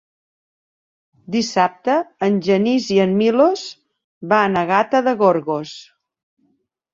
Dissabte en Genís i en Milos van a Gata de Gorgos.